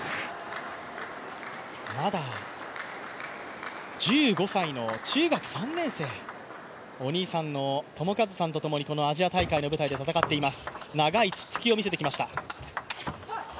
まだ１５歳の中学３年生、お兄さんの智和さんとともに、このアジア大会の舞台で戦っています。